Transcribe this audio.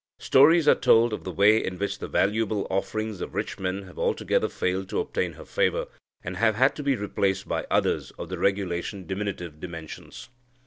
Stories are told of the way in which the valuable offerings of rich men have altogether failed to obtain her favour, and have had to be replaced by others of the regulation diminutive dimensions."